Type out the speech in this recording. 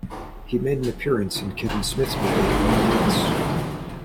He made an appearance in Kevin Smith's movie "Mallrats".